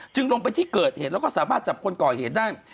ลงไปที่เกิดเหตุแล้วก็สามารถจับคนก่อเหตุได้